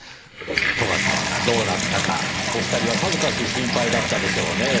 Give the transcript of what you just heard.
斗ヶ沢がどうなったかお二人はさぞかし心配だったでしょうねぇ。